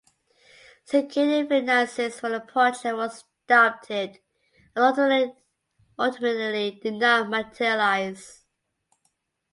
Securing finances for the project was doubted and ultimately did not materialise.